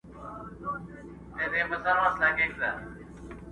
چي راضي مُلا چرګک او خپل پاچا کړي؛